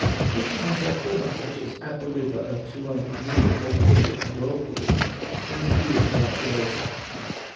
"Call to mind our former pledges, At the river of Tuoni, Near the waterfall and whirlpool, In the ears of our Creator.